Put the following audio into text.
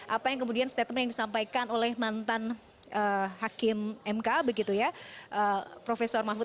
apa yang kemudian statement disampaikan oleh mantan hakim mka begitu ya